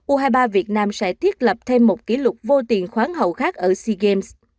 u hai mươi ba việt nam sẽ thiết lập thêm một kỷ lục vô tiền khoáng hậu khác ở sea games